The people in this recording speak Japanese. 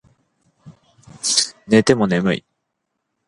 寝ても眠い